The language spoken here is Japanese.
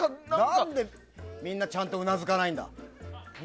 何でみんなちゃんとうなずかないんだ。